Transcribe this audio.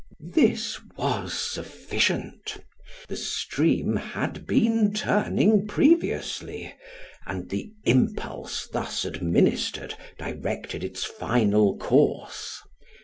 This was sufficient : the stream had been turning previously, and the impulse thus ad ministered directed its final course.